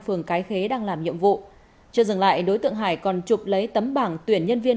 phường cái khế đang làm nhiệm vụ chưa dừng lại đối tượng hải còn chụp lấy tấm bảng tuyển nhân viên